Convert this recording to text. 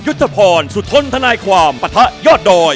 ยุทธพรสุทนทนายความปะทะยอดดอย